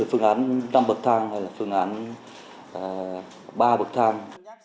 phương án năm bậc thang hay là phương án ba bậc thang